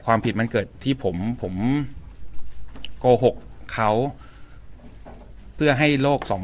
ความผิดมันเกิดที่ผมผมโกหกเขาเพื่อให้โลกสอง